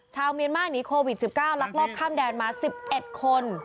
ชาวเมียนมาร์หนีโควิด๑๙ลักลอบข้ามแดนมา๑๑คน